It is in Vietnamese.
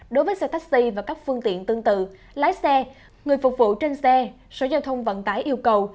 đối với xe taxi và các phương tiện tương tự lái xe người phục vụ trên xe sở giao thông vận tải yêu cầu